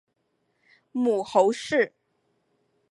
母侯氏。